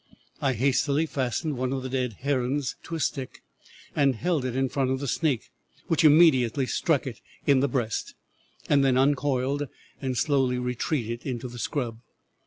I hastily fastened one of the dead herons to a stick and held it in front of the snake, which immediately struck it in the breast, and then uncoiled and slowly retreated into the scrub.